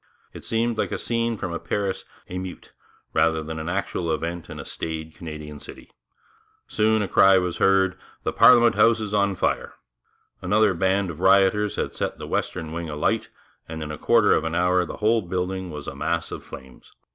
It seems like a scene from a Paris émeute rather than an actual event in a staid Canadian city. Soon a cry was heard, 'The Parliament House is on fire.' Another band of rioters had set the western wing alight, and, in a quarter of an hour, the whole building was a mass of flames.